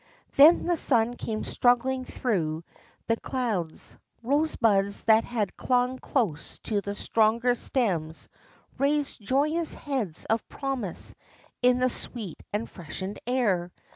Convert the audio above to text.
Then the sun came struggling through the clouds. Rosebuds that had clung close to the stronger stems raised joyous heads of promise in the sweet and freshened air.